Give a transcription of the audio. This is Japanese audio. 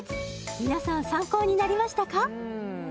皆さん参考になりましたか？